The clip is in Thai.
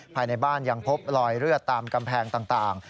ภายในบ้านยังพบรอยเลือดตามกำแพงต่าง